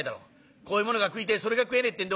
こういうものが食いてえそれが食えねえってんでわずら。